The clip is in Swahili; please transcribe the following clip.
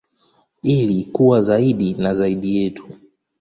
Ili kuwa zaidi na zaidi yetu.